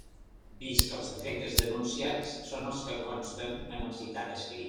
Vist que els defectes denunciats són els que consten en el citat escrit.